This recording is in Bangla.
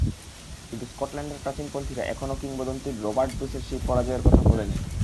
কিন্তু স্কটল্যান্ডের প্রাচীনপন্থীরা এখনো কিংবদন্তির রবার্ট ব্রুসের সেই পরাজয়ের কথা ভোলেনি।